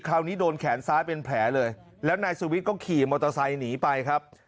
คราวนี้โดนแขนซ้ายเป็นแผลเลยแล้วนายสุวิทย์ก็ขี่มอเตอร์ไซค์หนีไปครับ